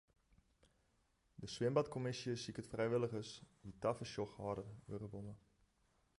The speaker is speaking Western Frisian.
De swimbadkommisje siket frijwilligers dy't tafersjochhâlder wurde wolle.